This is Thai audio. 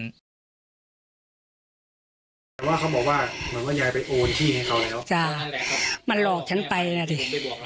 แต่ว่าเขาบอกว่าเหมือนว่ายายไปโอนที่ให้เขาแล้ว